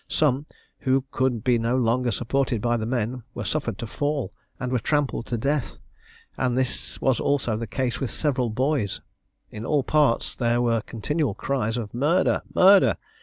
Some, who could be no longer supported by the men, were suffered to fall, and were trampled to death, and this was also the case with several boys. In all parts there were continual cries of "Murder! murder!"